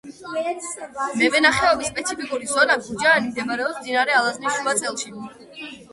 მევენახეობის სპეციფიკური ზონა გურჯაანი მდებარეობს მდინარე ალაზნის შუა წელში.